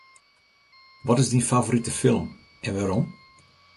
Wat is dyn favorite film en wêrom?